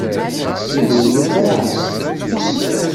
Yuba ur yemmut ara ɛad.